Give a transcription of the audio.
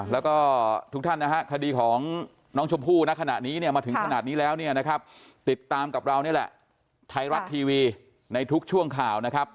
แล้วก็ทุกท่านคดีของน้องชมพู่มาถึงขนาดนี้แล้วติดตามกับเรานี่แหละไทยรัฐทีวีในทุกช่วงข่าวนะครับ